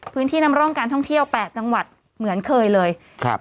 พื้นที่นำร่องการท่องเที่ยวแปดจังหวัดเหมือนเคยเลยครับ